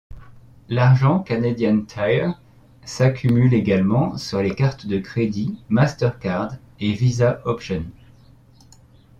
L'argent Canadian Tire s'accumule également sur les cartes de crédits MasterCard et Visa Option.